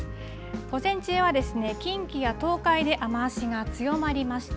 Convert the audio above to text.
午前中は近畿や東海で雨足が強まりました。